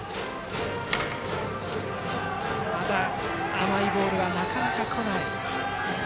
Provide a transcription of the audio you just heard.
甘いボールが、なかなかこない。